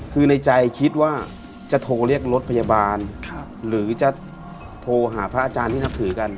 คือในใจคิดว่าจะโทรเรียกรถพยาบาลหรือจะโทรหาพระอาจารย์ที่นับถือกัน